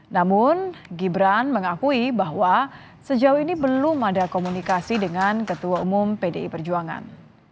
namun gibran mengakui bahwa sejauh ini belum ada komunikasi dengan ketua umum pdi perjuangan